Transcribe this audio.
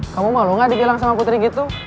kamu malu gak dibilang sama putri gitu